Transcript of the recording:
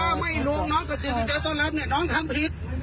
ถ้าไม่ลุงน้องกระสิทธิ์จะต้องรับเนี่ยน้องทำผิด